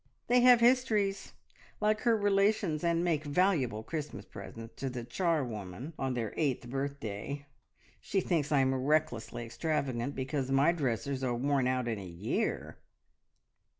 They have histories, like her relations, and make valuable Christmas presents to the charwoman on their eighth birthday. She thinks I am recklessly extravagant because my dresses are worn out in a year!"